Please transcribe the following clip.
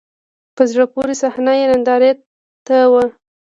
په زړه پورې صحنه یې نندارې ته و.